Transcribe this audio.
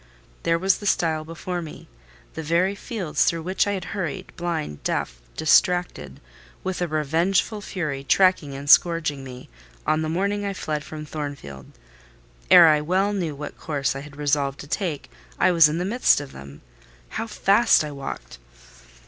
There was the stile before me—the very fields through which I had hurried, blind, deaf, distracted with a revengeful fury tracking and scourging me, on the morning I fled from Thornfield: ere I well knew what course I had resolved to take, I was in the midst of them. How fast I walked!